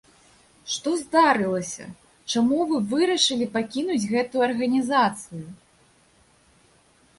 Што здарылася, чаму вы вырашылі пакінуць гэтую арганізацыю?